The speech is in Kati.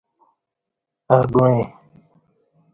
اَگوعیں